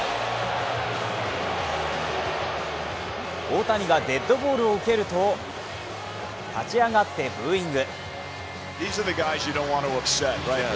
大谷がデッドボールを受けると立ち上がってブーイング。